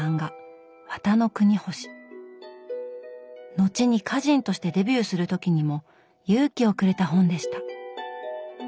後に歌人としてデビューする時にも勇気をくれた本でした。